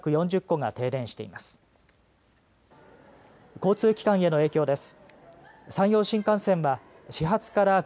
交通機関への影響です。